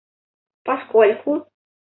поскольку